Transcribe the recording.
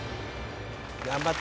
頑張って！